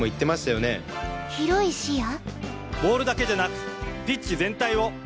ボールだけじゃなくピッチ全体を。